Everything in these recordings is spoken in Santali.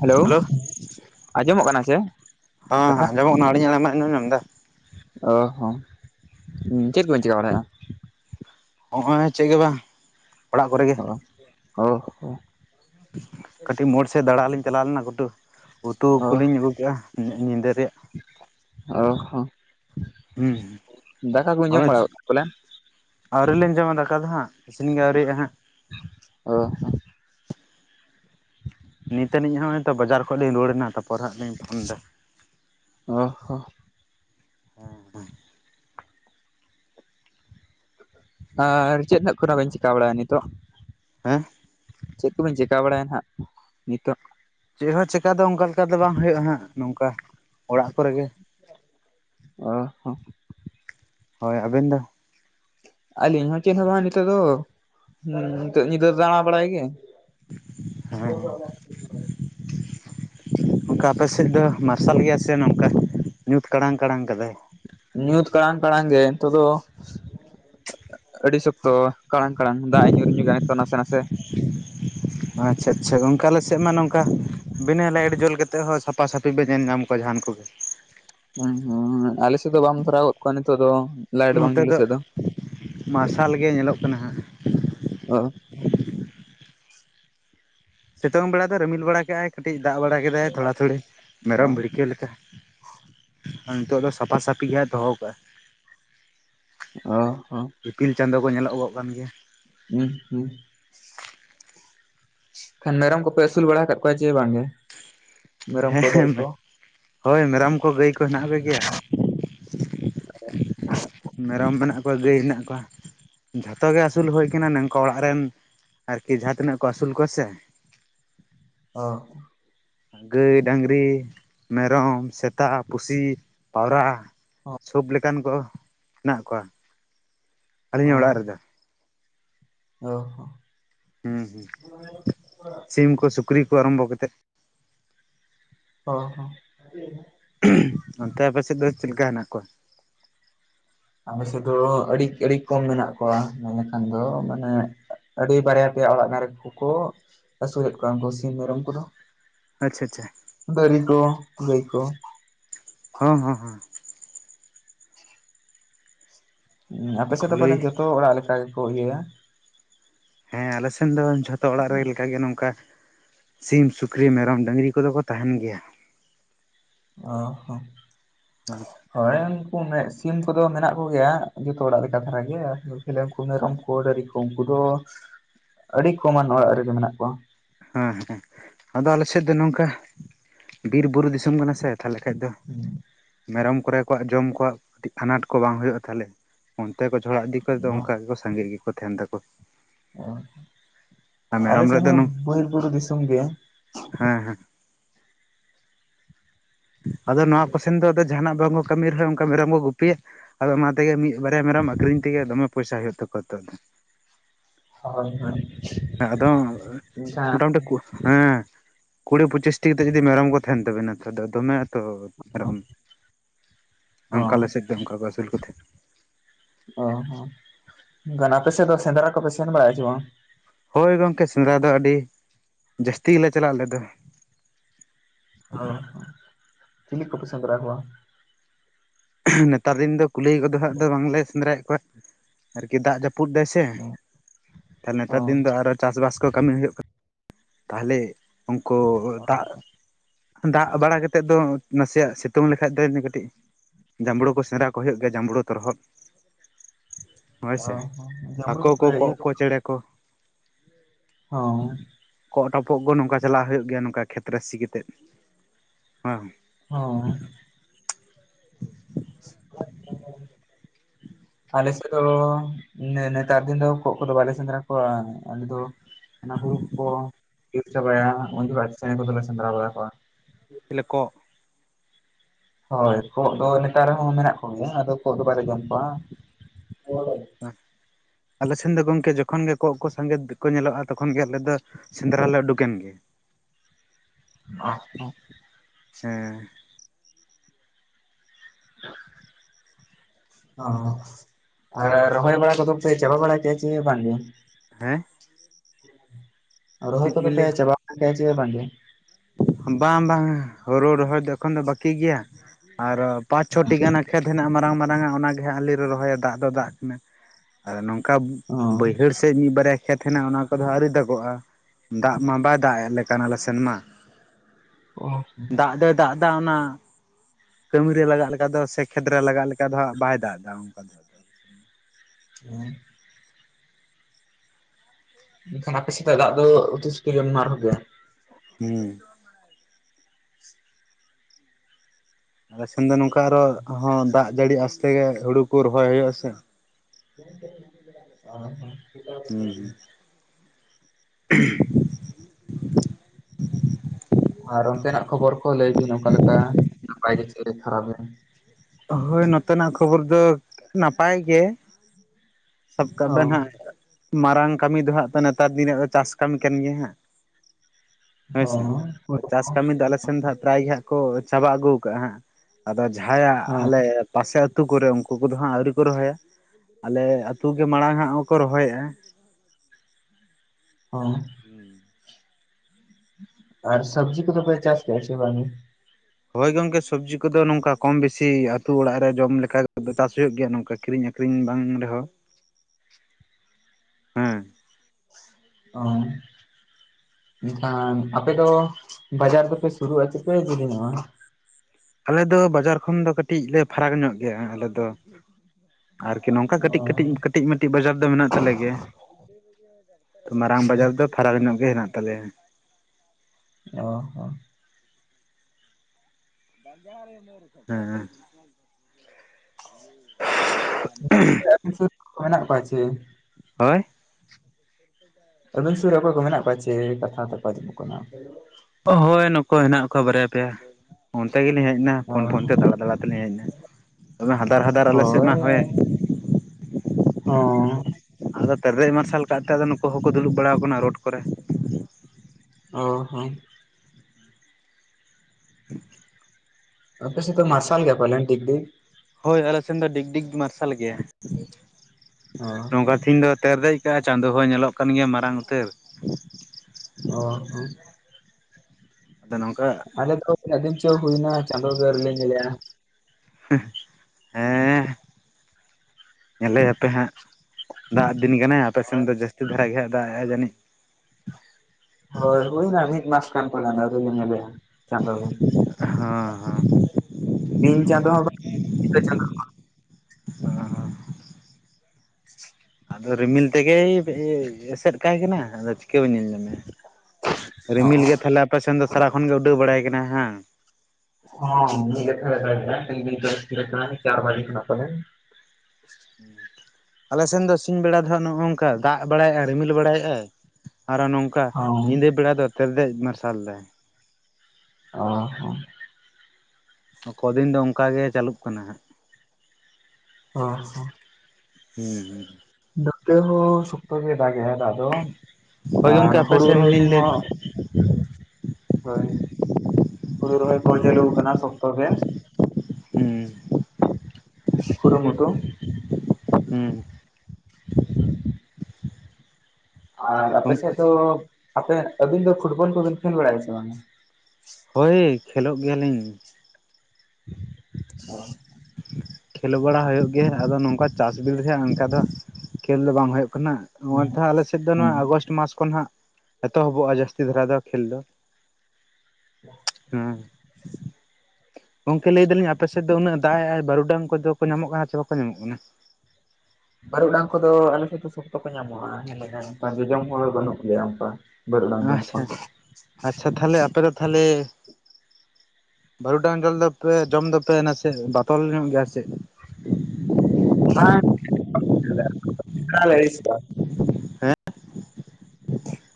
ᱦᱮᱞᱳ, ᱟᱸᱡᱚᱢᱚᱜ ᱠᱟᱱᱟ ᱪᱮ? ᱦᱚᱸ ᱚᱢᱚᱜ ᱠᱟᱱᱟ, ᱟᱹᱞᱤᱧᱟᱜ ᱟᱲᱟᱝ ᱵᱮᱱ ᱟᱸᱡᱚᱢ ᱧᱟᱢᱫᱟ? ᱚ ᱦᱚᱸ, ᱩᱸ ᱪᱮᱫ ᱠᱚᱵᱤᱱ ᱪᱤᱠᱟᱹ ᱵᱟᱲᱮᱭᱟᱜᱼᱟ? ᱦᱚᱸᱜᱼᱚᱭ ᱪᱮᱫ ᱜᱮ ᱵᱟᱝ, ᱚᱲᱟᱜ ᱠᱚᱨᱮ ᱜᱮ ᱾ ᱚ [unintelligible] ᱦᱚ ᱾ ᱠᱟᱹᱴᱤᱡ ᱢᱳᱲ ᱥᱮᱫ ᱫᱟᱬᱟᱱ ᱞᱤᱧ ᱪᱟᱞᱟᱣ ᱞᱮᱱᱟ ᱠᱩᱴᱩ, ᱩᱛᱩ ᱠᱚᱞᱤᱧ ᱟᱹᱜᱩ ᱠᱮᱫᱮ-ᱟ ᱧᱤᱫᱟᱹ ᱨᱮᱭᱟᱜ ᱾ ᱚᱦ ᱦᱚᱸ, ᱦᱩᱸ ᱫᱟᱠᱟ ᱠᱚᱵᱤᱱ ᱡᱚᱢ ᱵᱟᱲᱟ ᱜᱚᱫ ᱠᱮᱫᱟ ᱯᱟᱞᱮᱱ? ᱟᱹᱣᱨᱤᱞᱤᱧ ᱡᱚᱢᱟ ᱫᱟᱠᱟ ᱫᱚ ᱦᱟᱸᱜ, ᱤᱥᱤᱱ ᱜᱮ ᱟᱹᱣᱨᱤᱭᱼᱟ ᱦᱟᱸᱜ ᱾ ᱚ ᱦᱚ ᱾ ᱱᱤᱛ ᱟᱹᱱᱤᱡ ᱦᱚᱸᱜ-ᱚᱭ ᱛᱚ ᱵᱟᱡᱟᱨ ᱠᱷᱚᱡ ᱞᱤᱧ ᱨᱩᱣᱟᱹᱲᱮᱱᱟ ᱛᱟᱨᱚᱨ ᱦᱟᱸᱜ ᱞᱤᱧ ᱯᱷᱳᱱ ᱫᱟ ᱾ ᱚᱦ ᱦᱚ ᱾ ᱦᱮᱸ ᱦᱮᱸ ᱾ ᱟᱨ ᱪᱮᱫ ᱱᱟᱦᱜ ᱠᱚ ᱱᱟ ᱵᱮᱱ ᱪᱤᱠᱟ ᱵᱟᱲᱟᱭᱟ ᱱᱤᱛᱚᱜ? ᱦᱮᱸ? ᱪᱮᱫ ᱠᱚᱵᱮᱱ ᱪᱤᱠᱟᱹ ᱵᱟᱲᱟᱭᱟ ᱱᱟᱦᱜ, ᱱᱤᱛᱚᱜ? ᱪᱮᱫ ᱦᱚᱸ ᱪᱮᱠᱟ ᱫᱚ ᱚᱱᱠᱟ ᱞᱮᱠᱟ ᱫᱚ ᱵᱟᱝ ᱦᱩᱭᱩᱜᱼᱟ ᱦᱟᱸᱜ ᱱᱚᱝᱠᱟ ᱚᱲᱟᱜ ᱠᱚᱨᱮ ᱜᱮ᱾ ᱚ ᱦᱚᱸ᱾ ᱦᱳᱭ ᱟᱵᱮᱱ ᱫᱚ ᱾ ᱟᱹᱞᱤᱧ ᱦᱚᱸ ᱪᱮᱫ ᱦᱚᱸ ᱵᱟᱝ ᱱᱤᱛᱚᱜ ᱫᱚ, ᱱᱤᱛᱚᱜ ᱧᱤᱫᱟᱹ ᱫᱟᱬᱟᱸ ᱵᱟᱲᱟᱭ ᱜᱮ᱾ [inaudible] ᱚᱝᱠᱟ ᱟᱯᱮ ᱥᱮᱫ ᱫᱚ ᱢᱟᱨᱥᱟᱞ ᱜᱮᱭᱟ ᱥᱮ ᱱᱚᱝᱠᱟ ᱧᱩᱛ ᱠᱟᱲᱟᱝ ᱠᱟᱲᱟᱝ ᱠᱟᱫᱟᱭ? ᱧᱩᱛ ᱠᱟᱲᱟᱝ ᱠᱟᱲᱟᱝ ᱜᱮ ᱱᱤᱛᱚᱜ ᱫᱚ᱾ ᱟᱹᱰᱤ ᱥᱚᱠᱛᱚ ᱠᱟᱲᱟᱝ ᱠᱟᱲᱟᱝ, ᱫᱟᱜ ᱮ ᱧᱩᱨ ᱧᱩᱜᱟᱭ ᱱᱤᱛᱚᱜ ᱱᱟᱥᱮ ᱱᱟᱥᱮ᱾ ᱢᱟ ᱟᱪᱪᱷᱟ ᱟᱪᱪᱷᱟ ᱜᱚᱢᱠᱮ ᱟᱞᱮ ᱥᱮᱫ ᱢᱟ ᱱᱚᱝᱠᱟ ᱵᱤᱱᱟᱹ ᱞᱟᱭᱤᱴ ᱡᱳᱞ ᱠᱟᱛᱮᱫ ᱦᱚᱸ ᱥᱟᱯᱷᱟ ᱥᱟᱹᱯᱷᱤ ᱵᱮᱱ ᱧᱮᱞ ᱧᱟᱢ ᱠᱚᱣᱟ ᱡᱟᱦᱟᱱ ᱠᱚᱜᱮ᱾ [inaudible] ᱦᱩᱸ ᱦᱩᱸ ᱟᱞᱮᱥᱮᱫ ᱫᱚ ᱵᱟᱢ ᱫᱷᱚᱨᱟᱣ ᱜᱚᱫ ᱠᱚᱣᱟ ᱱᱤᱛᱚᱜ ᱫᱚ, ᱞᱟᱭᱤᱴ ᱵᱟᱝ ᱡᱩᱞ ᱟᱛᱮᱸᱫ ᱫᱚ᱾ ᱢᱟᱨᱥᱟᱞ ᱜᱮ ᱧᱮᱞᱚᱜ ᱠᱟᱱᱟ ᱦᱟᱸᱜ᱾ ᱚ ᱦᱚᱸ᱾ ᱥᱤᱛᱩᱝ ᱵᱮᱲᱟ ᱫᱚ ᱨᱤᱢᱤᱞ ᱵᱟᱲᱟ ᱠᱮᱜ-ᱟᱭ᱾ ᱠᱟᱹᱴᱤᱡ ᱫᱟᱜ ᱵᱟᱲᱟ ᱠᱮᱫᱟᱭ ᱛᱷᱚᱲᱟ ᱛᱷᱩᱲᱤ, ᱚ ᱢᱮᱨᱚᱢ ᱵᱷᱤᱲᱠᱟᱹᱣ ᱞᱮᱠᱟ᱾ ᱱᱤᱛᱚᱜ ᱫᱚ ᱥᱟᱯᱷᱟ ᱥᱟᱯᱷᱤ ᱜᱮ ᱦᱟᱸᱜ ᱫᱚᱦᱚᱣ ᱠᱟᱜᱼᱟ᱾ ᱚ ᱦᱚᱸ᱾ ᱤᱯᱤᱞ ᱪᱟᱸᱫᱚ ᱠᱚ ᱧᱮᱞᱚ ᱜᱚᱜ ᱠᱟᱱ ᱜᱮᱭᱟ᱾ ᱦᱩᱸ ᱦᱩᱸ᱾ ᱠᱷᱟᱱ ᱢᱮᱨᱚᱢ ᱠᱚᱯᱮ ᱟᱹᱥᱩᱞ ᱵᱟᱲᱟ ᱟᱠᱟᱫ ᱠᱚᱣᱟ ᱪᱮ ᱵᱟᱝ ᱜᱮ? ᱢᱮᱨᱚᱢ ᱠᱚ, ᱵᱟᱝᱜᱨᱤ ᱦᱮᱸ ᱠᱚ᱾ ᱦᱳᱭ ᱢᱮᱨᱚᱢ ᱠᱚ ᱜᱟᱹᱭ ᱠᱚ ᱦᱮᱱᱟᱜ ᱠᱚᱜᱮᱭᱟ ᱢᱮᱨᱚᱢ ᱢᱮᱱᱟᱜ ᱠᱚᱣᱟ, ᱜᱟᱹᱭ ᱦᱮᱱᱟᱜ ᱠᱚᱣᱟ᱾ ᱡᱷᱚᱛᱚ ᱜᱮ ᱟᱹᱥᱩᱞ ᱦᱩᱭ ᱠᱟᱱᱟ ᱱᱚᱝᱠᱟ ᱚᱲᱟᱜ ᱨᱮᱱ ᱟᱨᱠᱤ ᱡᱟᱦᱟᱸ ᱛᱤᱱᱟᱹᱜ ᱠᱚ ᱟᱹᱥᱩᱞ ᱠᱚᱣᱟ ᱥᱮ, ᱚ᱾ ᱜᱟᱹᱭ, ᱰᱟᱝᱨᱤ, ᱢᱮᱨᱚᱢ, ᱥᱮᱛᱟ, ᱯᱩᱥᱤ, ᱯᱟᱣᱨᱟ᱾ ᱚ ᱥᱳᱵ ᱞᱮᱠᱟᱱ ᱠᱚ ᱦᱮᱱᱟᱜ ᱠᱚᱣᱟ ᱟᱹᱞᱤᱧᱟᱜ ᱚᱲᱟᱜ ᱨᱮᱫᱚ᱾ ᱚ ᱦᱚᱸ᱾ ᱩ ᱦᱩᱸ ᱥᱤᱢ ᱠᱚ ᱥᱩᱠᱨᱤ ᱠᱚ ᱟᱨᱚᱢᱵᱚ ᱠᱟᱛᱮᱫ ᱾ ᱚ ᱦᱚᱸ ᱾ ᱚᱱᱛᱮ ᱟᱯᱮ ᱥᱮᱫ ᱫᱚ ᱪᱮᱫ ᱞᱮᱠᱟ ᱦᱮᱱᱟᱜ ᱠᱚᱣᱟ? ᱟᱞᱮ ᱥᱮᱫ ᱫᱚ ᱟᱹᱰᱤ ᱟᱹᱰᱤ ᱠᱚᱢ ᱢᱮᱱᱟᱜ ᱠᱚᱣᱟ ᱢᱮᱱ ᱞᱮᱠᱷᱟᱱ ᱫᱚ ᱢᱟᱱᱮ ᱟᱹᱰᱤ ᱵᱟᱨᱭᱟ ᱯᱮᱭᱟ ᱚᱲᱟᱜ [unintelligible] ᱠᱚᱠᱚ ᱟᱹᱥᱩᱞᱮᱫ ᱠᱚᱣᱟ ᱩᱱᱠᱩ ᱥᱤᱢ ᱢᱮᱨᱚᱢ ᱠᱚᱫᱚ ᱾ ᱟᱪᱪᱷᱟ ᱟᱪᱪᱷᱟ ᱾ ᱫᱟᱹᱨᱤ ᱠᱚ ᱜᱟᱹᱭ ᱠᱚ ᱾ ᱦ ᱦᱮᱸ ᱦᱮᱸ ᱾ ᱦᱮᱸ ᱟᱯᱮᱥᱮᱫ ᱫᱚ ᱠᱷᱩᱞᱟᱹᱭ ᱯᱟᱞᱮᱱ ᱡᱚᱛᱚ ᱚᱲᱟᱜ ᱞᱮᱠᱟ ᱜᱮᱠᱚ ᱤᱭᱟᱹᱭᱼᱟ ᱾ ᱦᱮᱸ ᱟᱞᱮ ᱥᱮᱱ ᱫᱚ ᱡᱷᱚᱛᱚ ᱚᱲᱟᱜ ᱨᱮ ᱞᱮᱠᱟᱜᱮ ᱱᱚᱝᱠᱟ ᱥᱤᱢ ᱥᱩᱠᱨᱤ ᱢᱮᱨᱚᱢ ᱰᱟᱹᱝᱨᱤ ᱠᱚᱫᱚ ᱠᱚ ᱛᱟᱦᱮᱱ ᱜᱮᱭᱟ ᱾ ᱚ ᱦᱚᱸ ᱦᱮᱸ ᱦᱳᱭ ᱩᱱᱠᱩ ᱢᱮ ᱥᱤᱢ ᱠᱚᱫᱚ ᱢᱮᱱᱟᱜ ᱠᱚᱜᱮᱭᱟ ᱡᱚᱛᱚ ᱚᱲᱟᱜ ᱞᱮᱠᱟ ᱫᱷᱟᱨᱟ ᱜᱮ ᱩᱱᱠᱩ ᱢᱮᱨᱚᱢ ᱠᱚ ᱫᱟᱨᱤ ᱠᱚ ᱩᱱᱠᱩ ᱫᱚ ᱟᱹᱰᱤ ᱠᱚᱢᱟᱱ ᱚᱲᱟᱜ ᱨᱮ ᱜᱮ ᱢᱮᱱᱟᱜ ᱠᱚᱣᱟ ᱦᱩᱸ ᱦᱩᱸ ᱟᱫᱚ ᱟᱞᱮᱥᱮᱫ ᱫᱚ ᱱᱚᱝᱠᱟ ᱵᱤᱨ ᱵᱩᱨᱩ ᱫᱤᱥᱚᱢ ᱠᱟᱱᱟ ᱥᱮ ᱛᱟᱦᱚᱞᱮ ᱠᱷᱟᱡ ᱫᱚ [inaudible] ᱢᱮᱨᱚᱢ ᱠᱚᱨᱮ ᱠᱚᱣᱟᱜ ᱡᱚᱢ ᱠᱚᱣᱟᱜ ᱴᱤᱡ ᱟᱱᱟᱴ ᱠᱚ ᱵᱟᱝ ᱦᱩᱭᱩᱜᱼᱟ ᱛᱷᱟᱦᱞᱮ ᱚᱱᱛᱮ ᱠᱚ ᱡᱷᱚᱲᱟ ᱤᱫᱤᱠ ᱛᱚ ᱜᱚᱝᱠᱟ ᱜᱮᱠᱚ ᱥᱟᱸᱜᱮ ᱨᱮᱜᱮᱠᱚ ᱛᱟᱦᱮᱱ ᱛᱟᱠᱚ᱾ ᱚᱸ ᱟᱨ ᱟᱞᱮ ᱢᱮᱨᱚᱢ ᱥᱮᱫ ᱨᱮᱫᱚ ᱦᱚᱸ ᱵᱩᱨᱩᱼᱵᱤᱨ ᱫᱤᱥᱚᱢ ᱜᱮ᱾ ᱦᱮᱸ ᱦᱮᱸ ᱟᱫᱚ ᱱᱚᱣᱟ ᱠᱚᱥᱮᱱ ᱫᱚ ᱟᱫᱚ ᱡᱟᱦᱟᱱᱟᱜ ᱵᱟᱝ ᱠᱚ ᱠᱟᱹᱢᱤ ᱨᱮᱦᱚᱸ ᱚᱱᱠᱟ ᱢᱮᱨᱚᱢ ᱠᱚ ᱜᱩᱯᱤᱭᱟ, ᱟᱫᱚ ᱚᱱᱟ ᱛᱮᱜᱮ ᱢᱤᱫ ᱵᱟᱨᱭᱟ ᱢᱮᱨᱚᱢ ᱟᱹᱠᱷᱨᱤᱧ ᱛᱮᱜᱮ ᱫᱚᱢᱮ ᱯᱚᱭᱥᱟ ᱦᱩᱭᱩᱜ ᱛᱟᱠᱚᱣᱟ ᱛᱚᱜ ᱫᱚ᱾ ᱦᱳᱭ ᱜᱚᱝᱠᱮ ᱦᱮᱸ ᱟᱫᱚ ᱢᱚᱴᱟᱢᱩᱴᱤ ᱠᱩ ᱦᱩᱸ ᱠᱩᱲᱤ ᱯᱚᱸᱪᱤᱥᱴᱤ ᱟᱛᱮ ᱡᱩᱫᱤ ᱢᱮᱨᱚᱢ ᱠᱚ ᱛᱟᱦᱮᱱ ᱛᱟᱵᱤᱱᱟ ᱛᱚ ᱟᱫᱚ ᱱᱚᱣᱟ ᱛᱚ ᱢᱮᱨᱚᱢ ᱚ ᱱᱚᱝᱠᱟ ᱟᱞᱮ ᱥᱮᱫ ᱫᱚ ᱚᱱᱠᱟ ᱠᱚ ᱟᱹᱥᱩᱞ ᱛᱟᱸᱦᱮ᱾ ᱟᱨᱦᱚᱸ ᱜᱟᱰᱟ ᱠᱚᱥᱮᱜ ᱫᱚ ᱥᱮᱸᱫᱽᱨᱟ ᱠᱚᱯᱮ ᱥᱮᱱ ᱵᱟᱲᱟᱜ ᱟᱪᱷᱮ ᱵᱟᱝ? ᱦᱳᱭ ᱜᱚᱝᱠᱮ ᱥᱮᱸᱫᱽᱨᱟ ᱫᱚ ᱟᱹᱰᱤ ᱡᱟᱹᱥᱛᱤ ᱜᱮᱞᱮ ᱪᱟᱞᱟᱜ ᱟᱞᱮ ᱫᱚ᱾ ᱚ ᱦᱚᱸ ᱪᱤᱞᱤ ᱠᱚᱯᱮ ᱥᱮᱸᱫᱽᱨᱟ ᱠᱚᱣᱟ? ᱱᱮᱛᱟᱨ ᱫᱤᱱ ᱫᱚ ᱠᱩᱞᱟᱹᱭ ᱠᱚᱫᱚ ᱦᱟᱜ ᱫᱚ ᱵᱟᱝᱞᱮ ᱥᱮᱸᱫᱽᱨᱟᱭᱮᱜ ᱠᱚᱣᱟ ᱟᱨᱠᱤ ᱫᱟᱜ ᱡᱟᱹᱯᱩᱫ ᱫᱟᱭ ᱥᱮ ᱛᱮ ᱛᱟᱦᱞᱮ ᱚ ᱱᱮᱛᱟᱨ ᱫᱤᱱ ᱫᱚ ᱟᱨᱦᱚ ᱪᱟᱥᱵᱟᱥ ᱠᱚ ᱠᱟᱹᱢᱤ ᱦᱩᱭᱩᱜ ᱠᱟᱱᱟ᱾ ᱛᱟᱦᱚᱞᱮ ᱩᱱᱠᱩ ᱫᱟᱜ ᱫᱟᱜ ᱵᱟᱲᱟ ᱠᱟᱛᱮᱫ ᱫᱚ ᱱᱟᱥᱮᱭᱟᱜ ᱥᱤᱛᱩᱝ ᱞᱮᱠᱷᱟᱡ ᱫᱚ ᱠᱟᱹᱴᱤᱡ ᱡᱟᱢᱵᱽᱲᱩ ᱠᱚ ᱥᱮᱸᱫᱽᱨᱟ ᱠᱚ ᱦᱩᱭᱩᱜ ᱜᱮᱭᱟ ᱡᱟᱢᱵᱽᱲᱩ ᱛᱚᱨᱦᱚᱫ᱾ ᱦᱳᱭ ᱚ ᱥᱮ, ᱡᱟᱢᱲᱩ ᱦᱟᱹᱠᱳ ᱠᱚᱯᱮ ᱠᱚ ᱤᱭᱟᱹ ᱠᱚᱸᱜ ᱠᱚ ᱪᱮᱬᱮ ᱠᱚ᱾ ᱦᱟᱸᱨ ᱠᱚᱸᱜ ᱴᱚᱯᱚᱜ ᱫᱚ ᱱᱚᱝᱠᱟ ᱪᱟᱞᱟᱜ ᱦᱩᱭᱩᱜ ᱜᱮᱭᱟ ᱱᱚᱝᱠᱟ ᱠᱷᱮᱛ ᱨᱮ ᱥᱤ ᱠᱟᱛᱮᱫ ᱦᱮᱸ ᱦᱩᱸᱢ ᱦᱚᱸᱭ [unintelligible] [inaudible] ᱟᱞᱮᱥᱮᱫ ᱫᱚ ᱱᱮᱼᱱᱮᱛᱟᱨ ᱫᱤᱱ ᱫᱚ ᱠᱚᱸᱜ ᱠᱚᱫᱚ ᱵᱟᱞᱮ ᱥᱮᱸᱫᱽᱨᱟ ᱠᱚᱣᱟ ᱟᱞᱮ ᱫᱚ ᱚᱱᱟ ᱦᱩᱲᱩ ᱠᱚᱠᱚ ᱤᱨ ᱪᱟᱵᱟᱭᱟ ᱦᱟᱸᱜ ᱩᱱ ᱨᱮᱜᱮ ᱟᱪᱪᱷᱟ ᱱᱤᱭᱟᱹ ᱠᱚᱫᱚᱞᱮ ᱥᱮᱸᱫᱽᱨᱟ ᱵᱟᱲᱟᱣ ᱠᱚᱣᱟ᱾ ᱪᱤᱞᱮ ᱠᱚᱸᱜ? ᱦᱳᱭ ᱠᱚᱸᱜ ᱫᱚ ᱱᱮᱛᱟᱨ ᱨᱮᱦᱚᱸ ᱢᱮᱱᱟᱜ ᱠᱚᱜᱮᱭᱟ ᱟᱫᱚ ᱠᱚᱸᱜ ᱫᱚ ᱵᱟᱞᱮ ᱡᱚᱢ ᱠᱚᱣᱟ ᱦᱳᱭ ᱟᱞᱮ ᱥᱮᱱ ᱫᱚ ᱜᱚᱝᱠᱮ ᱡᱚᱠᱷᱚᱱ ᱜᱮ ᱠᱚᱸᱜ ᱠᱚ ᱥᱟᱸᱜᱮᱫ ᱠᱚ ᱧᱮᱞᱚᱜᱼᱟ ᱛᱚᱠᱷᱚᱱ ᱜᱮ ᱟᱞᱮ ᱫᱚ ᱥᱮᱸᱫᱽᱨᱟ ᱞᱮ ᱩᱰᱩᱠ ᱮᱱ ᱜᱮ᱾ ᱚᱜ ᱦᱳ ᱦᱮᱸ [inaudible] ᱚᱸ ᱚᱲᱟᱜ ᱨᱚᱦᱚᱭ ᱵᱟᱲᱟ ᱠᱚᱫᱚ ᱯᱮ ᱪᱟᱵᱟ ᱵᱟᱲᱟ ᱠᱮᱭᱟ ᱪᱮ ᱵᱟᱝ ᱜᱮ? ᱦᱮᱸ ᱨᱚᱦᱚᱭ ᱪᱮᱫ ᱠᱚᱫᱚ ᱵᱤᱱ ᱯᱮ ᱞᱟᱹᱭᱟ ᱪᱟᱵᱟ ᱵᱟᱲᱟ ᱠᱮᱭᱟ ᱪᱮ ᱵᱟᱝ ᱜᱮ? ᱵᱟᱝ ᱵᱟᱝ ᱦᱳᱨᱳ ᱨᱚᱦᱚᱭ ᱫᱚ ᱮᱠᱷᱚᱱ ᱫᱚ ᱵᱟᱠᱤ ᱜᱮᱭᱟ ᱟᱨ ᱯᱟᱸᱪ ᱪᱷᱚᱴᱤ ᱜᱟᱱ ᱠᱷᱮᱛ ᱦᱮᱱᱟᱜᱼᱟ ᱢᱟᱨᱟᱝ ᱢᱟᱨᱟᱝ ᱟᱜ ᱚᱱᱟ ᱜᱮ ᱦᱟᱸᱜ ᱟᱞᱤ ᱨᱮ ᱨᱚᱦᱚᱭᱟ ᱫᱟᱜ ᱫᱚ ᱫᱟᱜ ᱠᱟᱱᱟ, ᱟᱫᱚ ᱱᱚᱝ ᱠᱟᱵ ᱚ ᱵᱟᱹᱭᱦᱟᱹᱲ ᱥᱮᱫ ᱢᱤᱫ ᱵᱟᱨᱭᱟ ᱠᱷᱮᱛ ᱦᱮᱱᱟᱜᱟ ᱚᱱᱟ ᱠᱚᱫᱚ ᱟᱹᱣᱨᱤ ᱫᱟᱜᱚᱜᱟ, ᱫᱟᱜ ᱢᱟ ᱵᱟᱭ ᱫᱟᱜ ᱮᱜ ᱞᱮᱠᱟ ᱱᱟᱞᱮ ᱥᱮᱱ ᱢᱟ᱾ ᱚ ᱫᱟᱜ ᱫᱚᱭ ᱫᱟᱜ ᱮᱫᱟ ᱚᱱᱟ ᱠᱟᱹᱢᱤᱨᱮ ᱞᱟᱜᱟᱜ ᱞᱮᱠᱟ ᱫᱚ ᱥᱮ ᱠᱷᱮᱛᱨᱮ ᱞᱟᱜᱟᱜ ᱞᱮᱠᱟ ᱫᱚ ᱦᱟᱸᱜ ᱵᱟᱭ ᱫᱟᱜ ᱮᱫᱟ ᱚᱝᱠᱟ ᱫᱚ᱾ ᱦᱮᱸ ᱢᱮᱱᱠᱷᱟᱱ ᱟᱯᱮ ᱥᱮᱫᱟᱜ ᱫᱟᱜ ᱫᱚ ᱩᱛᱤ ᱥᱩᱛᱤ ᱜᱮ ᱢᱟᱨᱦᱚᱜ ᱜᱮᱭᱟ ᱦᱩᱸ ᱟᱞᱮ ᱥᱮᱱ ᱫᱚ ᱱᱚᱝᱠᱟ ᱟᱨᱚ ᱦᱚᱸ ᱫᱟᱜ ᱡᱟᱹᱲᱤ ᱟᱥᱛᱮ ᱜᱮ ᱦᱩᱲᱩ ᱠᱚ ᱨᱚᱦᱚᱭ ᱦᱩᱭᱩᱜᱟ ᱥᱮ᱾ ᱦᱩᱸ [unintelligible] [unintelligible] ᱟᱨ ᱚᱱᱛᱮᱱᱟᱜ ᱠᱷᱚᱵᱚᱨ ᱠᱚ ᱞᱟᱹᱭ ᱵᱤᱱ ᱚᱠᱟ ᱞᱮᱠᱟ, ᱱᱟᱯᱟᱭ [unintelligible] ᱠᱷᱟᱨᱟᱯ ᱜᱮ? ᱦᱳᱭ ᱱᱚᱛᱮᱱᱟᱜ ᱠᱷᱚᱵᱚᱨ ᱫᱚ ᱱᱟᱯᱟᱭ ᱜᱮ᱾ ᱥᱚᱵ ᱠᱟᱜ ᱵᱮᱱ ᱚ ᱦᱟᱸᱜ ᱢᱟᱨᱟᱝ ᱠᱟᱹᱢᱤ ᱫᱚ ᱦᱟᱸᱜ ᱱᱮᱛᱟᱨ ᱫᱤᱱ ᱨᱮᱭᱟᱜ ᱫᱚ ᱪᱟᱥ ᱠᱟᱹᱢᱤ ᱠᱟᱱ ᱜᱮᱭᱟ ᱦᱟᱸᱜ᱾ ᱦᱳᱭ ᱥᱮ ᱦᱚᱸ ᱪᱟᱥ ᱦᱚᱸ ᱠᱟᱹᱢᱤ ᱫᱚ ᱟᱞᱮ ᱥᱮᱱ ᱫᱚ ᱦᱟᱸᱜ ᱯᱨᱟᱭ ᱜᱮ ᱦᱟᱸᱜ ᱠᱚ ᱪᱟᱵᱟ ᱟᱹᱜᱩ ᱠᱟᱜ-ᱟ ᱦᱟᱸᱜ ᱟᱫᱚ ᱡᱟᱦᱟᱸᱭᱟᱜ ᱟᱞᱮ ᱯᱟᱥᱮ ᱟᱹᱛᱩ ᱠᱚᱨᱮ ᱩᱱᱠᱩ ᱠᱚᱫᱚ ᱦᱟᱸᱜ ᱟᱹᱣᱨᱤ ᱠᱚ ᱨᱚᱦᱚᱭᱟ ᱟᱞᱮ ᱟᱹᱛᱩ ᱜᱮ ᱢᱟᱲᱟᱝ ᱦᱟᱸᱜ ᱦᱚᱸ ᱠᱚ ᱨᱚᱦᱚᱭ-ᱟ ᱚᱸ ᱦᱩᱸ ᱟᱨ ᱥᱚᱵᱽᱡᱤ ᱠᱚᱫᱚ ᱯᱮ ᱪᱟᱥ ᱜᱮᱜᱟ ᱥᱮ ᱵᱟᱝ ᱜᱮ? ᱦᱳᱭ ᱜᱚᱝᱠᱮ ᱥᱚᱵᱽᱡᱤ ᱠᱚᱫᱚ ᱱᱚᱝᱠᱟ ᱠᱚᱢ ᱵᱮᱥᱤ ᱟᱹᱛᱩ ᱚᱲᱟᱜ ᱨᱮ ᱡᱚᱢ ᱞᱮᱠᱟ ᱫᱚ ᱪᱟᱥ ᱦᱩᱭᱩᱜ ᱜᱮᱭᱟ ᱱᱚᱝᱠᱟ ᱠᱤᱨᱤᱧ ᱟᱠᱦᱨᱤ ᱠᱨᱤᱧ ᱵᱟᱝ ᱨᱮᱦᱚᱸ ᱦᱮᱸ᱾ ᱚᱸ ᱢᱮᱱᱠᱷᱟᱱ ᱟᱯᱮᱫᱚ ᱵᱟᱡᱟᱨ ᱫᱚᱯᱮ ᱥᱩᱨᱩᱜ-ᱟ ᱥᱮ ᱯᱮ ᱡᱤᱞᱤᱧᱚᱜ-ᱟ? ᱟᱞᱮ ᱫᱚ ᱵᱟᱡᱟᱨ ᱠᱷᱚᱱ ᱫᱚ ᱠᱟᱹᱴᱤᱡ ᱞᱮ ᱯᱷᱟᱨᱟᱠ ᱧᱚᱜ ᱜᱮᱭᱟ ᱟᱞᱮ ᱫᱚ᱾ ᱟᱨᱠᱤ ᱱᱚᱝᱠᱟ ᱚ ᱠᱟᱹᱴᱤᱡ ᱠᱟᱹᱴᱤᱡ, ᱠᱟᱹᱴᱤᱡ ᱠᱟᱴᱤᱡ ᱵᱟᱡᱟᱨ ᱠᱚ ᱫᱚ ᱢᱮᱱᱟᱜ ᱛᱟᱞᱮ ᱜᱮᱭᱟ᱾ ᱢᱟᱨᱟᱝ ᱵᱟᱡᱟᱨ ᱫᱚ ᱯᱷᱟᱨᱟᱠ ᱧᱚᱜ ᱜᱮ ᱦᱮᱱᱟᱜ ᱛᱟᱞᱮᱭᱟ᱾ ᱚᱸᱻᱦᱚᱸ ᱦᱮᱸ [unintelligible] [inaudible] ᱢᱮᱱᱟᱜ ᱠᱚᱣᱟ ᱪᱮ ᱦᱳᱭ ᱟᱵᱤᱱ ᱥᱩᱨ ᱨᱮ ᱚᱠᱚᱭ ᱠᱚ ᱢᱮᱱᱟᱜ ᱠᱚᱣᱟ ᱪᱮ ᱠᱟᱛᱷᱟ ᱛᱟᱠᱚ ᱟᱸᱡᱚᱢᱚᱜ ᱠᱟᱱᱟ᱾ ᱦᱳᱭ ᱱᱩᱠᱩ ᱦᱮᱱᱟᱜ ᱠᱚᱣᱟ ᱵᱟᱨᱭᱟ ᱯᱮᱭᱟ ᱚᱱᱛᱮ ᱜᱮᱞᱤᱧ ᱦᱮᱡ ᱱᱟ ᱚ ᱯᱷᱳᱱ ᱯᱷᱳᱱ ᱛᱮ ᱫᱟᱲᱟ ᱫᱟᱲᱟ ᱛᱮ᱾ ᱛᱤᱞᱤᱧ ᱦᱮᱡᱱᱟ ᱫᱚᱢᱮ ᱦᱟᱫᱟᱨ ᱦᱟᱫᱟᱨ ᱟᱞᱮ ᱥᱮᱫ ᱦᱳᱭ ᱢᱟᱭ ᱦᱳᱭᱮᱫ ᱦᱚᱸ ᱟᱫᱚ ᱛᱮᱨᱮᱡ ᱢᱟᱨᱥᱟᱞ ᱟᱠᱟᱫᱛᱮ ᱟᱫᱚ ᱱᱩᱠᱩ ᱦᱚᱸ ᱠᱚ ᱫᱩᱲᱩᱵ ᱵᱟᱲᱟ ᱠᱟᱱᱟ ᱨᱳᱰ ᱠᱚᱨᱮ᱾ ᱚᱸᱻᱦᱚᱸ [unintelligible] ᱟᱯᱮ ᱥᱮᱱ ᱫᱚ ᱢᱟᱨᱥᱟᱞ ᱜᱮᱭᱟ ᱯᱟᱞᱮᱱ ᱰᱤᱠ ᱰᱤᱠ? ᱦᱳᱭ ᱟᱞᱮ ᱥᱮᱱ ᱫᱚ ᱰᱤᱠ ᱰᱤᱠ ᱢᱟᱨᱥᱟᱞ ᱜᱮᱭᱟ᱾ ᱚ ᱱᱚᱝᱠᱟ ᱦᱚᱸ ᱛᱮᱦᱮᱧ ᱫᱚ ᱛᱮᱨᱫᱮᱡ ᱪᱟᱸᱫᱚ ᱦᱚᱸᱭ ᱧᱮᱞᱚᱜ ᱠᱟᱱ ᱜᱮᱭᱟ ᱢᱟᱨᱟᱝ ᱩᱛᱟᱹᱨ᱾ ᱚᱸᱻᱦᱚᱸ ᱟᱫᱚ ᱱᱚᱝᱠᱟ ᱟᱞᱮ ᱫᱚ ᱛᱤᱱᱟᱹᱜ ᱫᱤᱱ ᱪᱚ ᱦᱩᱭ ᱱᱟ ᱪᱟᱸᱫᱚ ᱜᱮ ᱟᱣᱨᱤ ᱞᱮ ᱧᱮᱞᱮᱭᱟ᱾ ᱦᱮᱸ ᱧᱮᱞᱮᱭᱟᱯᱮ ᱦᱟᱸᱜ᱾ ᱫᱟᱜ ᱫᱤᱱ ᱠᱟᱱᱟᱭ ᱟᱯᱮ ᱥᱮᱱ ᱫᱚ ᱡᱟᱹᱥᱛᱤ ᱫᱷᱟᱨᱟ ᱜᱮ ᱫᱟᱜᱮᱜ-ᱟ ᱡᱟᱹᱱᱤᱡ᱾ ᱦᱳᱭ ᱦᱩᱭᱱᱟ ᱢᱤᱫ ᱢᱟᱥ ᱜᱟᱱ ᱯᱟᱞᱮᱱ ᱟᱣᱨᱤ ᱞᱮ ᱧᱮᱞᱮᱭᱟ ᱪᱟᱸᱫᱚ ᱜᱮ᱾ ᱦᱮᱸ ᱦᱮᱸ ᱫᱤᱱ ᱪᱟᱸᱫᱚ ᱦᱚᱸ ᱵᱟᱝ ᱧᱤᱫᱟᱹ ᱪᱟᱸᱫᱚ ᱦᱚᱸ [unintelligible] ᱟᱫᱚ ᱨᱤᱢᱤᱞ ᱛᱮᱜᱮᱭ ᱮᱥᱮᱫ ᱠᱟᱭ ᱠᱟᱱᱟ ᱟᱫᱚ ᱪᱤᱠᱟᱹ ᱵᱟᱭ ᱧᱮᱞ ᱨᱤᱢᱤᱞ ᱦᱚᱸᱜ-ᱚ ᱜᱮ ᱛᱟᱦᱞᱮ ᱟᱯᱮ ᱥᱮᱱ ᱫᱚ ᱥᱟᱨᱟ ᱠᱷᱚᱱ ᱜᱮ ᱩᱰᱟᱹᱣ ᱵᱟᱲᱟᱭ ᱠᱟᱱᱟ ᱵᱟᱝ? ᱦᱚᱸ [inaudible] ᱟᱞᱮ ᱥᱮᱱ ᱫᱚ ᱥᱤᱧ ᱵᱮᱲᱟ ᱫᱚᱦᱟᱜ ᱱᱚᱜ ᱱᱚᱝᱠᱟ ᱫᱟᱜ ᱵᱟᱲᱟᱭᱮᱫᱼᱟ ᱨᱤᱢᱤᱞ ᱵᱟᱲᱟᱭᱮᱫᱟᱭ ᱾ ᱟᱨᱚ ᱱᱚᱝᱠᱟ ᱦᱚᱸ ᱧᱤᱫᱟᱹ ᱵᱮᱲᱟ ᱫᱚ ᱛᱮᱞᱫᱮᱡ ᱢᱟᱨᱥᱟᱞ ᱫᱟᱭ ᱾ ᱚ ᱦᱚ ᱾ ᱠᱚ ᱫᱤᱱ ᱫᱚ ᱚᱱᱠᱟ ᱜᱮ ᱪᱟᱹᱟᱞᱩᱜ ᱠᱟᱱᱟ ᱦᱟᱸᱜ ᱾ ᱚ ᱦᱚ ᱾ ᱦᱩᱸ ᱦᱩᱸ ᱾ ᱱᱚᱛᱮ ᱦᱚᱸ ᱥᱚᱠᱛᱚ ᱜᱮ ᱫᱟᱜ ᱜᱮ ᱫᱟᱜ ᱫᱚ ᱦᱳᱭ ᱟᱨ ᱜᱚᱝᱠᱮ ᱟᱯᱮ ᱦᱩᱲᱩ ᱥᱮᱱ ᱨᱚᱦᱚᱭ ᱞᱤᱧ ᱞᱟᱹᱭ ᱠᱚᱦᱚᱸ ᱾ ᱦᱳᱭ ᱾ ᱦᱩᱲᱤ ᱨᱚᱦᱚᱭ ᱠᱚ ᱪᱟᱹᱞᱩᱣ ᱟᱠᱟᱱᱟ ᱥᱚᱠᱛᱚ ᱜᱮ ᱾ ᱦᱮᱸ ᱾ ᱠᱩᱨᱩᱢᱩᱴᱩ ᱾ ᱦᱩᱸ ᱾ ᱟᱨ ᱟᱯᱮ ᱥᱮᱫ ᱫᱚ ᱟᱯᱮ ᱟᱹᱵᱤᱱ ᱫᱚ ᱯᱷᱩᱴᱵᱚᱞ ᱠᱚᱵᱤᱱ ᱠᱷᱮᱞ ᱵᱟᱲᱟᱭᱟ ᱥᱮ ᱵᱟᱝ? ᱦᱳᱭ ᱠᱷᱮᱞᱳᱜ ᱜᱮᱭᱟᱞᱤᱧ᱾ ᱚ ᱾ ᱠᱷᱮᱞᱳ ᱵᱟᱲᱟ ᱦᱩᱭᱩᱜ ᱜᱮᱭᱟ ᱟᱫᱚ ᱱᱚᱝᱠᱟ ᱪᱟᱥ ᱚᱱᱠᱟ ᱫᱚ ᱾ ᱠᱷᱮᱞ ᱫᱚ ᱵᱟᱝ ᱦᱩᱭᱩᱜ ᱠᱟᱱᱟ ᱦᱮᱸ ᱚᱱᱟᱛᱮ ᱟᱞᱮ ᱥᱮᱫ ᱫᱚ ᱱᱚᱣᱟ ᱦᱮᱸ ᱟᱜᱚᱥᱴ ᱢᱟᱥ ᱠᱷᱚᱱ ᱱᱷᱟᱜ ᱾ ᱮᱛᱚᱦᱚᱵᱚᱜᱼᱟ ᱡᱟᱥᱛᱤ ᱫᱷᱟᱨᱟ ᱠᱷᱮᱞ ᱫᱚ ᱾ [unintelligible] ᱦᱮᱸ ᱾ ᱜᱚᱝᱠᱮ ᱞᱟᱹᱭ ᱫᱟᱞᱤᱧ ᱟᱯᱮ ᱥᱮᱫ ᱫᱚ ᱩᱱᱟᱹᱜ ᱮ ᱫᱟᱜ ᱮᱟᱭ ᱵᱟᱹᱨᱩᱰᱟᱝ ᱠᱚᱫᱚ ᱠᱚ ᱧᱟᱢᱚᱜ ᱠᱟᱱᱟ ᱥᱮ ᱵᱟᱠᱚ ᱧᱟᱢᱚᱜ ᱠᱟᱱᱟ? ᱵᱟᱹᱨᱩ ᱰᱟᱝ ᱠᱚᱫᱚ ᱟᱞᱮ ᱥᱮᱫ ᱫᱚ ᱥᱚᱠᱛᱚ ᱠᱚ ᱧᱟᱢᱚᱜᱼᱟ ᱦᱮᱸ ᱚᱱᱠᱟ ᱡᱚᱡᱚᱢ ᱦᱚᱸ ᱵᱟᱹᱱᱩᱜ ᱞᱮᱭᱟ ᱚᱱᱠᱟ ᱾ ᱟᱪᱪᱷᱟ ᱟᱪᱪᱷᱟ ᱛᱟᱦᱞᱮ ᱟᱯᱮ ᱫᱚ ᱛᱟᱦᱞᱮ ᱵᱟᱹᱨᱩᱰᱟᱝ ᱡᱚᱞ ᱫᱚᱯᱮ ᱡᱚᱢ ᱫᱚᱯᱮ ᱱᱟᱥᱮ ᱵᱟᱛᱚᱞ ᱧᱚᱜ ᱜᱮᱭᱟ ᱪᱮᱫ ᱾ ᱵᱟᱝ [inaudible] ᱵᱟᱞᱮ ᱟᱹᱰᱤᱥ ᱚᱜᱼᱟ ᱦᱮᱸ ᱾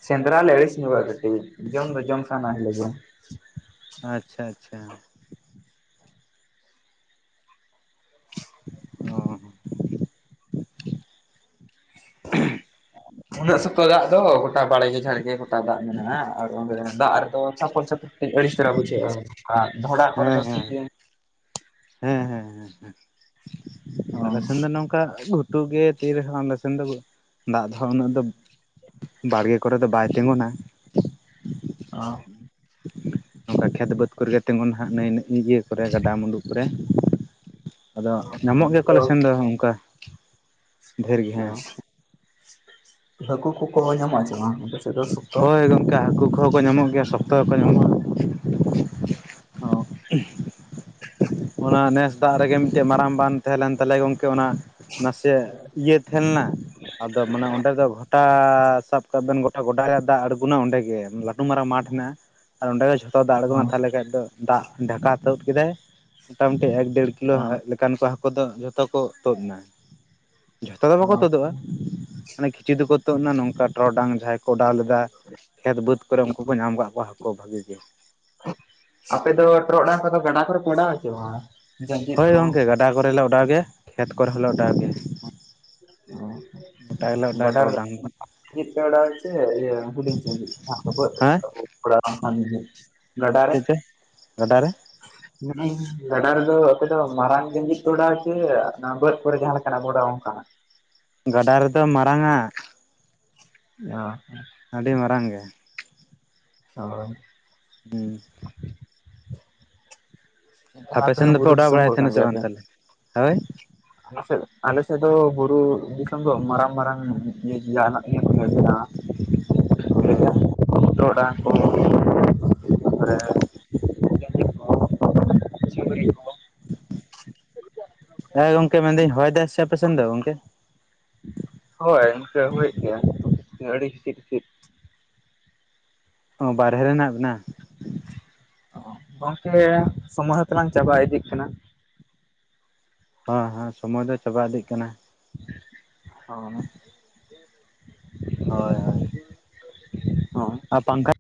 ᱥᱮᱸᱫᱨᱟ ᱞᱮ ᱟᱹᱲᱤᱥ ᱧᱚᱸᱜᱚᱼᱟ ᱠᱟᱴᱤᱡ ᱡᱚᱢ ᱫᱚ ᱡᱚᱢ ᱥᱟᱱ ᱞᱮᱜᱮᱭᱟ ᱾ ᱟᱪᱪᱷᱟ ᱟᱪᱪᱷᱟ ᱾ ᱚ ᱾ ᱩᱱᱟᱹᱜ ᱥᱚᱠᱛᱚ ᱫᱟᱜ ᱫᱚ ᱾ ᱜᱚᱴᱟ ᱵᱟᱲᱮᱜᱮ ᱡᱷᱟᱲᱜᱮ ᱜᱚᱴᱟ ᱫᱟᱜ ᱢᱮᱱᱟᱜᱼᱟ ᱟᱨ ᱚᱸᱰᱮ ᱫᱟᱜ ᱨᱮᱫᱚ ᱪᱷᱟᱯᱚᱞ ᱪᱷᱟ ᱠᱟᱹᱡ ᱟᱹᱲᱤᱥ ᱫᱷᱟᱹᱨᱟ ᱵᱩᱡᱷᱟᱹᱜᱼᱟ ᱰᱷᱚᱲᱟᱜ ᱠᱚᱨᱮ ᱦᱮᱸ ᱫᱚ ᱦᱮᱸ ᱥᱤ ᱦᱮᱸ ᱦᱮᱸ ᱦᱮᱸ ᱦᱮ ᱦᱚᱸ ᱟᱞᱮ ᱥᱮᱱ ᱫᱚ ᱱᱚᱝ ᱚᱱᱠᱟ ᱜᱷᱩᱴᱩ ᱜᱮ ᱛᱤᱨ ᱨᱮᱦᱚᱸ ᱟᱞᱮ ᱥᱮᱱ ᱫᱚ ᱫᱟᱜ ᱫᱚᱦᱟᱸᱜ ᱩᱱᱟᱹᱜ ᱫᱚ ᱵᱟᱲᱜᱮ ᱠᱚᱨᱮᱫ ᱫᱚ ᱵᱟᱭ ᱛᱤᱜᱩᱱᱟ᱾ ᱚ, ᱱᱚᱝᱠᱟ ᱠᱷᱮᱛ ᱵᱟᱹᱫᱽ ᱠᱚᱨᱮ ᱡᱟᱦᱟ ᱛᱤᱸᱜᱩᱱᱟ ᱱᱟᱸᱜ ᱱᱟᱹᱭ ᱤᱭᱟᱹ ᱠᱚᱨᱮ ᱜᱟᱰᱟ ᱢᱩᱰᱩᱜ ᱠᱚᱨᱮ ᱾ ᱟᱫᱚ ᱧᱟᱢᱚᱜ ᱜᱮᱭᱟ ᱠᱚᱞ ᱥᱮᱱ ᱫᱚ ᱚᱱᱠᱟ ᱾ ᱚ ᱦᱟᱹᱠᱩ ᱠᱚᱠᱚ ᱧᱟᱢᱚᱜ ᱟᱥᱮ ᱵᱟᱝ? ᱥᱮᱫ ᱫᱚ ᱥᱚᱠᱛᱚ? ᱦᱳᱭ ᱜᱚᱝᱠᱮ ᱦᱟᱹᱠᱩ ᱠᱚ ᱦᱟ ᱠᱚ ᱧᱟᱢᱚᱜ ᱜᱮᱭᱟ ᱥᱚᱠᱛᱚ ᱠᱚ ᱧᱟᱢᱚᱜᱼᱟ ᱾ ᱦᱩ ᱾ ᱚᱱᱟ ᱱᱮᱥ ᱫᱟᱜ ᱨᱮᱜᱮ ᱢᱤᱫᱴᱮᱡ ᱢᱟᱨᱟᱝ ᱵᱟᱱ ᱛᱟᱦᱮᱸ ᱞᱮᱱ ᱛᱟᱞᱮᱭᱟ ᱜᱚᱝᱠᱮ ᱚᱱᱟ ᱱᱟᱥᱮ ᱤᱭᱟᱹ ᱛᱟᱦᱮᱸᱞᱮᱱᱟ, ᱟᱫᱚ ᱢᱟᱱᱮ ᱚᱸᱰᱮ ᱫᱚ ᱜᱚᱴᱟ ᱥᱟᱵ ᱠᱟᱜ ᱵᱮᱱ ᱜᱚᱴᱟ ᱜᱚᱰᱟ ᱫᱟᱜ ᱟᱬᱜᱚᱱᱟ ᱚᱸᱰᱮ ᱜᱮ ᱞᱟᱹᱴᱩ ᱢᱟᱨᱟᱝ ᱢᱟᱴᱷ ᱢᱮᱱᱟᱜᱼᱟ ᱾ ᱟᱨ ᱚᱸᱰᱮ ᱜᱮ ᱡᱷᱚᱛᱚ ᱫᱟᱜ ᱟᱬᱜᱱᱟ ᱛᱟᱦᱚᱞᱮ ᱠᱷᱟᱡ ᱫᱚ ᱫᱟᱜ ᱰᱷᱟᱠᱟ ᱛᱳᱫ ᱠᱮᱫᱟᱭ, ᱢᱳᱴᱟᱢᱩᱴᱤ ᱮᱠ ᱰᱮᱲ ᱠᱤᱞᱳ ᱞᱮᱠᱟᱱ ᱠᱚ ᱦᱟᱹᱠᱩ ᱫᱚ ᱡᱷᱚᱛᱚ ᱠᱚ ᱛᱩᱫ ᱮᱱᱟ᱾ ᱡᱷᱚᱛᱚ ᱫᱚ ᱵᱟᱠᱚ ᱛᱩᱫᱚᱜᱼᱟ, ᱢᱟᱱᱮ ᱠᱤᱪᱷᱩ ᱫᱚᱠᱚ ᱛᱩᱫ ᱮᱱᱟ ᱱᱚᱝᱠᱟ ᱴᱚᱨᱚᱰᱟᱝ ᱡᱟᱦᱟᱸᱭ ᱠᱚ ᱚᱰᱟᱣ ᱞᱮᱫᱟ ᱠᱷᱮᱛ ᱵᱟᱹᱫᱽ ᱠᱚᱨᱮ ᱩᱱᱠᱩ ᱠᱚ ᱧᱟᱢ ᱟᱠᱟᱫ ᱠᱚᱣᱟ ᱦᱟᱹᱠᱩ ᱵᱷᱟᱹᱜᱤ ᱜᱮ ᱾ ᱟᱯᱮ ᱫᱚ ᱴᱚᱨᱚᱰᱟᱝ ᱠᱚᱫᱚ ᱜᱟᱰᱟ ᱠᱚᱨᱮ ᱯᱮ ᱳᱰᱟᱣ ᱟᱥᱮ ᱵᱟᱝ? ᱡᱟᱸᱡᱤᱫ ᱦᱳᱭ ᱠᱚ ᱜᱚᱝᱠᱮ ᱜᱟᱰᱟ ᱠᱚᱨᱮᱞᱮ ᱚᱰᱟᱣ ᱜᱮᱭᱟ ᱠᱷᱮᱛ ᱠᱚᱨᱮ ᱦᱚᱸᱞᱮ ᱚᱰᱟᱣ ᱜᱮᱭᱟ᱾ ᱳᱻ ᱜᱚᱴᱟ ᱜᱮᱞᱮ ᱳᱰᱟᱣ-ᱟ ᱴᱚᱨᱚᱰᱟᱝ᱾ ᱱᱤᱛ ᱯᱮ ᱳᱰᱟᱣ ᱟᱥᱮ ᱤᱭᱟ. ᱦᱩᱰᱤᱧ ᱦᱮᱸ [unintelligible] ᱜᱟᱰᱟ ᱨᱮ᱾ ᱪᱮᱫ ᱪᱚ ᱜᱟᱰᱟ ᱨᱮ᱾ ᱜᱟᱰᱟ ᱨᱮᱫᱚ ᱟᱯᱮ ᱫᱚ ᱢᱟᱨᱟᱝ ᱡᱷᱟᱹᱞᱤ ᱯᱮ ᱳᱰᱟᱣ-ᱟ ᱥᱮ ᱵᱟᱹᱫᱽ ᱠᱚᱨᱮ ᱡᱟᱦᱟᱸ ᱞᱮᱠᱟᱱᱟᱜ ᱵᱚ ᱳᱰᱟᱣ-ᱟ ᱚᱱᱠᱟᱱᱟᱜ? ᱜᱟᱰᱟ ᱨᱮᱫᱚ ᱢᱟᱨᱟᱝ-ᱟ ᱾ ᱳ᱾ ᱟᱹᱰᱤ ᱢᱟᱨᱟᱝ ᱜᱮ᱾ ᱳ᱾ ᱦᱩᱸ᱾ ᱮᱱᱠᱷᱟᱱ ᱟᱯᱮ ᱦᱚᱸ ᱥᱮᱱ ᱫᱚᱯᱮ ᱵᱩᱨᱩ ᱚᱰᱟᱣ ᱫᱤᱥᱚᱢ ᱵᱟᱲᱟᱭᱮᱫ ᱦᱚᱲ ᱛᱟᱦᱮᱱᱟ ᱥᱮ ᱵᱟᱝ ᱛᱟᱦᱞᱮ ᱦᱳᱭ? ᱟᱞᱮᱥᱮᱫ ᱟᱞᱮᱥᱮᱫ ᱫᱚ ᱵᱩᱨᱩ ᱫᱤᱥᱚᱢ ᱫᱚ ᱢᱟᱨᱟᱝ ᱢᱟᱨᱟᱝ ᱡᱟᱦᱟᱱᱟᱜ ᱜᱮ [unintelligible] [unintelligible] [unintelligible] ᱴᱳᱨᱳᱰᱟᱝ ᱠᱚ ᱛᱟᱯᱚᱨᱮ [unintelligible] ᱦᱮᱸ ᱜᱚᱝᱠᱮ ᱢᱮᱱᱫᱟᱹᱧ ᱦᱚᱭ ᱫᱟᱭ ᱥᱮ ᱟᱯᱮᱥᱮᱱ ᱫᱚ ᱜᱚᱝᱠᱮ? ᱦᱳᱭ ᱤᱱᱠᱟᱹ ᱦᱚᱭ -ᱮ ᱜᱮᱭᱟ, ᱟᱹᱰᱤ ᱦᱤᱸᱥᱤᱫ ᱦᱤᱸᱥᱤᱫ᱾ ᱚ ᱵᱟᱨᱦᱮ ᱨᱮ ᱦᱮᱱᱟᱜ ᱵᱤᱱᱟ? ᱜᱚᱝᱠᱮ ᱥᱚᱢᱚᱭ ᱦᱚᱸᱛᱚᱞᱟᱝ ᱪᱟᱵᱟ ᱤᱫᱤᱜ ᱠᱟᱱᱟ, ᱦᱮᱸ ᱦᱮᱸ ᱥᱚᱢᱚᱭ ᱫᱚ ᱪᱟᱵᱟ ᱤᱫᱤᱜ ᱠᱟᱱᱟ ᱾ ᱦᱚᱸ [inaudible] ᱦᱳᱭ ᱦᱳᱭ᱾ ᱦᱚᱸ᱾ ᱟᱨ ᱯᱟᱝᱠᱷᱟ